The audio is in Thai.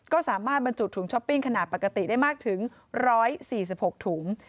ก็สามารถบรรจุถุงช้อปปิ้งขนาดปกติได้มากถึง๑๔๖ถุง